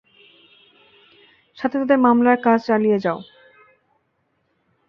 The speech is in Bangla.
সাথে মামলার কাজ চালিয়ে যাও!